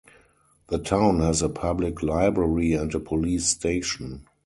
The town has a public library and a police station.